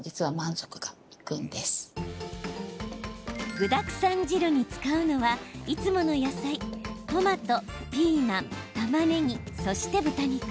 具だくさん汁に使うのはいつもの野菜トマト、ピーマン、たまねぎそして豚肉。